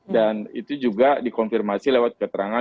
dan itu juga dikonfirmasi lewat keterangan